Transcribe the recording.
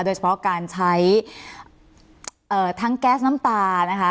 โดยเฉพาะการใช้ทั้งแก๊สน้ำตานะคะ